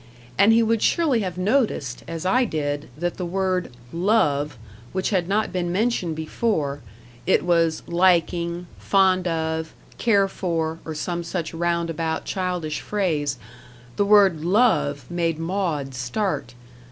And he would surely have noticed, as I did, that the word "love," which had not been mentioned before it was "liking," "fond of," "care for," or some such round about, childish phrase the word "love" made Maud start.